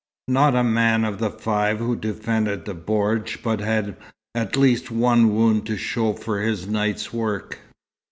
Not a man of the five who defended the bordj but had at least one wound to show for his night's work.